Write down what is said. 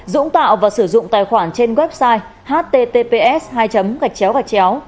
dũng tạo và sử dụng tài khoản trên website https hai gachcheo gachcheo